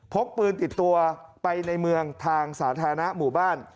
พกปืนติดตัวไปในเมืองทางสาธารณะหมู่บ้าน